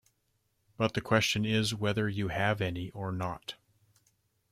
But the question is whether you have any or not.